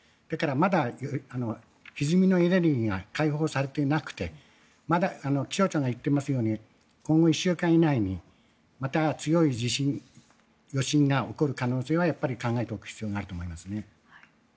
だからまだひずみのエネルギーが解放されていなくて気象庁が言っていますように今後１週間以内にまた強い地震、余震が起こる可能性は考えておく必要があると思いますね。